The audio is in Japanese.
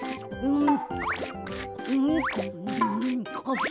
うん？